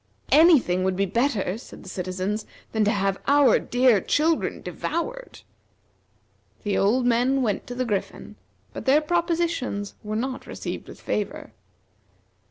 "Anything would be better," said the citizens, "than to have our dear children devoured." The old men went to the Griffin, but their propositions were not received with favor.